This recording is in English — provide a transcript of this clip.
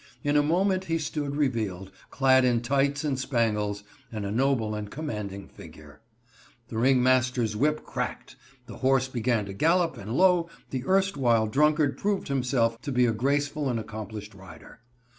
In a moment he stood revealed, clad in tights and spangles, and a noble and commanding figure. The ringmaster's whip cracked, the horse began to gallop and lo, the erstwhile drunkard proved himself to be a graceful and accomplished rider.